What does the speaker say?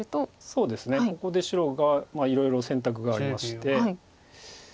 ここで白がいろいろ選択がありまして。